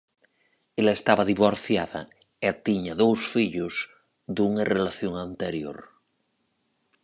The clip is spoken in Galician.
Ela estaba divorciada e tiña dous fillos dunha relación anterior.